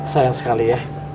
sayang sekali ya